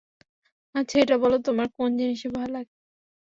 আচ্ছা এটা বলো, তোমার কোন জিনিসে ভয় লাগে?